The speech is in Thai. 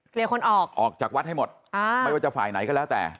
คนออกออกจากวัดให้หมดอ่าไม่ว่าจะฝ่ายไหนก็แล้วแต่